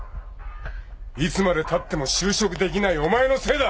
いつまでたっても就職できないお前のせいだ。